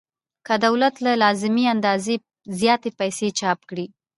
که دولت له لازمې اندازې زیاتې پیسې چاپ کړي